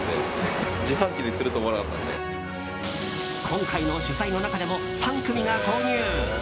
今回の取材の中でも３組が購入。